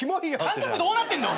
感覚どうなってんだよ。